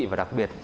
và đặc biệt là